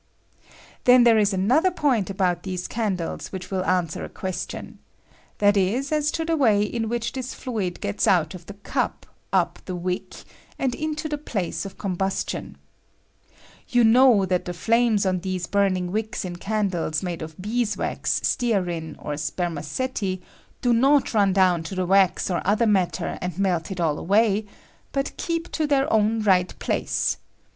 Then there is another point about these can dles which will answer a question— that is, as to the way in which this fluid gets out of the cup, up the wick, and into the place of com tustiou. You know that the flames on these turning wicks in candles made of bees' wax, stearin, or spermaceti, do not run down to the wax or other matter, and melt it all away, but ieep to their own right place.